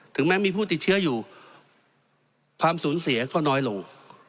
แม้มีผู้ติดเชื้ออยู่ความสูญเสียก็น้อยลง